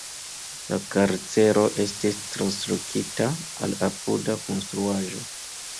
La karcero estis translokita al apuda konstruaĵo.